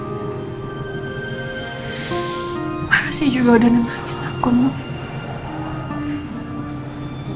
makasih juga udah dengerin akunmu